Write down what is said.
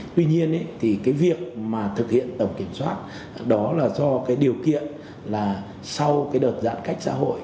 tuy nhiên thì cái việc mà thực hiện tổng kiểm soát đó là do cái điều kiện là sau cái đợt giãn cách xã hội